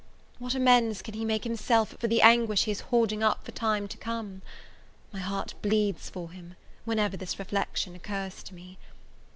what amends can he make himself for the anguish he is hoarding up for time to come! My heart bleeds for him, whenever this reflection occurs to me.